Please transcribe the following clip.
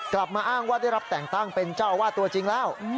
อ้างว่าได้รับแต่งตั้งเป็นเจ้าอาวาสตัวจริงแล้ว